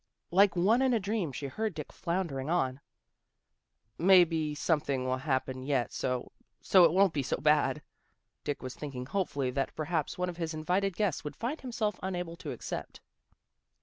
Like one in a dream she heard Dick floundering on. " Maybe something will happen yet, so so it won't be so bad." Dick was thinking hopefully that perhaps one of his invited guests would find himself unable to accept.